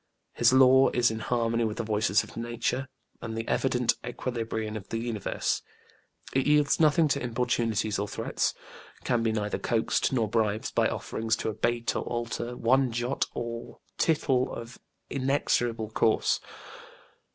His law is in harmony with the voices of Nature, and the evident equilibrium of the universe. It yields nothing to importunities or threats, can be neither coaxed nor bribed by offerings to abate or alter one jot or tittle of its inexorable course.